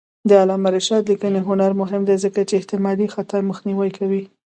د علامه رشاد لیکنی هنر مهم دی ځکه چې احتمالي خطا مخنیوی کوي.